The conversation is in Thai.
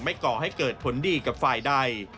ก่อให้เกิดผลดีกับฝ่ายใด